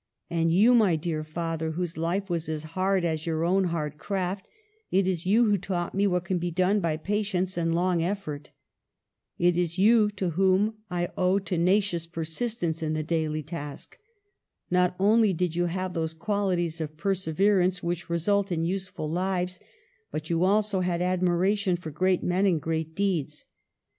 And you, my dear father, whose life was as hard as your own hard craft, it is you who taught me what can be done by patience and long effort. It is you to whom I owe tena cious persistence in the daily task. Not only did you have those qualities of perseverance which result in useful lives, but you also had admiration for great men and great deeds.